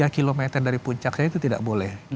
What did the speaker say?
tiga km dari puncaknya itu tidak boleh